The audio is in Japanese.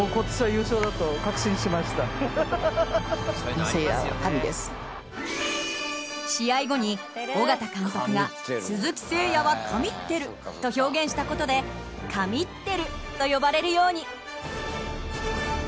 なんと試合後に緒方監督が「鈴木誠也は神ってる！」と表現した事で「神ってる」と呼ばれるように。